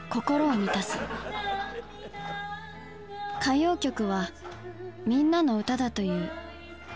歌謡曲は「みんなのうた」だという。